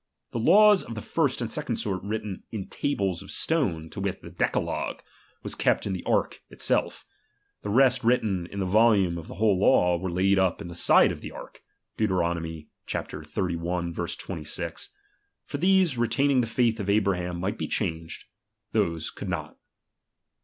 Tlie laws of the first and second sort written in tables of stojie, to wit, the decalogue, was kept in the ■ arh itself. Tlie rest written in the volume of the ^| whole law, were laid up in the side of' the ark, ^1 (Deut. xxxi. 26). For these, retaining the faith of Abraham, might be changed ; those could not.